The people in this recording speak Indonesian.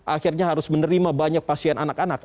akhirnya harus menerima banyak pasien anak anak